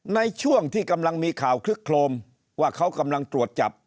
ในช่วงที่กำลังมีข่าวคลึกโครมว่าเขากำลังตรวจจับ